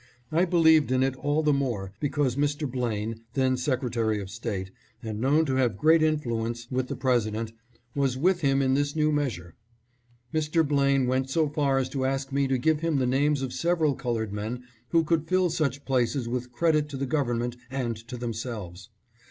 I believed in it all the more because Mr. Blaine, then Secretary of State and known to have great influence with the President, was with him in this new measure. Mr. Blaine went so far as to ask me to give him the names of several colored men who could fill such places with credit to the Government and to themselves.